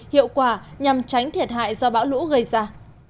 hiệu quả nhằm tránh thiệt hại do bão lũ gây ra